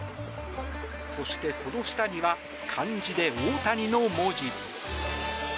そして、その下には漢字で「大谷」の文字。